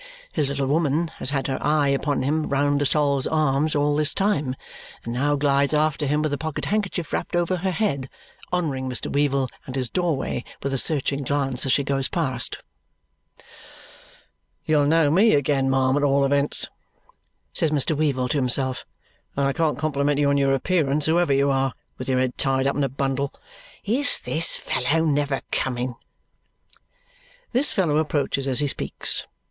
His little woman has had her eye upon him round the Sol's Arms all this time and now glides after him with a pocket handkerchief wrapped over her head, honouring Mr. Weevle and his doorway with a searching glance as she goes past. "You'll know me again, ma'am, at all events," says Mr. Weevle to himself; "and I can't compliment you on your appearance, whoever you are, with your head tied up in a bundle. Is this fellow NEVER coming!" This fellow approaches as he speaks. Mr.